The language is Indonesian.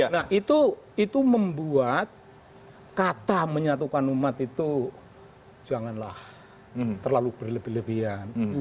nah itu membuat kata menyatukan umat itu janganlah terlalu berlebih lebihan